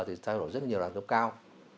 thì thay đổi rất nhiều đoàn cấp cao